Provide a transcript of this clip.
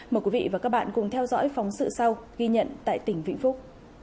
mời quý vị và các bạn cùng theo dõi phóng sự sau ghi nhận tại tỉnh vĩnh phúc